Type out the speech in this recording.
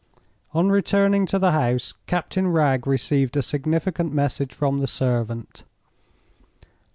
On returning to the house, Captain Wragge received a significant message from the servant.